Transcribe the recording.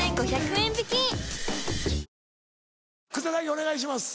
お願いします。